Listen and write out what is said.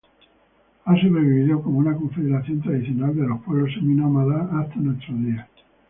Ha sobrevivido como una confederación tradicional de los pueblos seminómadas hasta nuestros días.